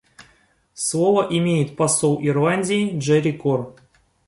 Слово имеет посол Ирландии Джерри Корр.